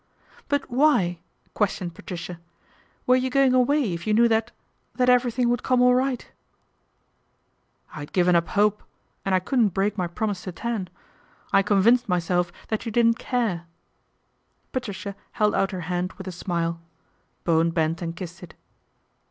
" But why," questioned Patricia, " were you going away if you knew that that everything would come all right ?"" I had given up hope, and I couldn't break my promise to Tan. I convinced myself that you didn't care." Patricia held out her hand with a smile. Bowen bent and kissed it.